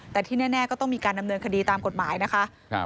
แต่ที่แน่ก็ต้องมีการดำเนินคดีตามกฎหมายนะคะ